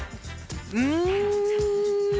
うん。